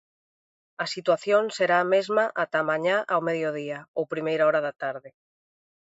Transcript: A situación será a mesma ata mañá ao mediodía, ou primeira hora da tarde.